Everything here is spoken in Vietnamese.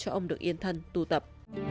hãy để cho ông được yên thân tu tập